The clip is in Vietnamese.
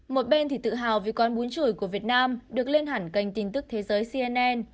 một bên thì tự hào vì con bún chùi của việt nam được lên hẳn kênh tin tức thế giới cnn